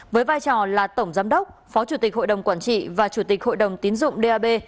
với vai trò là tổng giám đốc phó chủ tịch hội đồng quản trị và chủ tịch hội đồng tiến dụng dap